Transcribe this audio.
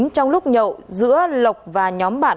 trong lúc nhậu giữa lộc và nhóm bạn